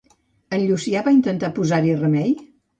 En Llucià va intentar posar-hi remei?